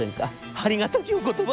『ありがたきお言葉。